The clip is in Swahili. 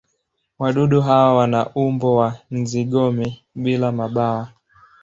Wadudu hawa wana umbo wa nzi-gome bila mabawa.